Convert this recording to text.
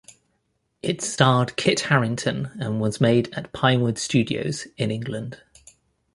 It starred Kit Harrington and was made at Pinewood Studios in England.